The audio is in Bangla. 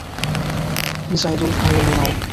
যাইদুল খাইল নও।